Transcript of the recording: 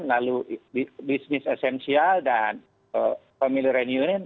lalu bisnis esensial dan pemilihan union